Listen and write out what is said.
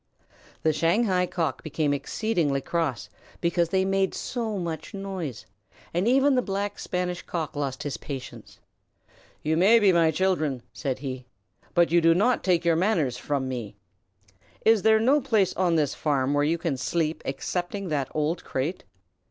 The Shanghai Cock became exceedingly cross because they made so much noise, and even the Black Spanish Cock lost his patience. "You may be my children," said he, "but you do not take your manners from me. Is there no other place on this farm where you can sleep excepting that old crate?"